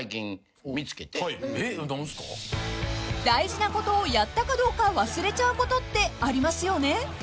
［大事なことをやったかどうか忘れちゃうことってありますよね？］